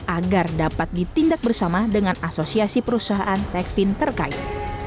agar dapat ditindak bersama dengan asosiasi perusahaan tekvin terkait